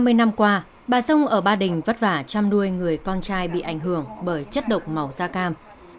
trên năm mươi năm qua bà sông ở ba đình vất vả chăm đuôi người con trai bị ảnh hưởng bởi chất độc màu da cam